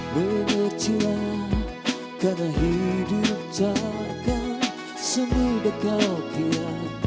mengertilah karena hidup takkan semudah kakira